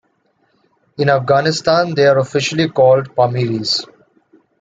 In Afghanistan, they are officially called "Pamiris".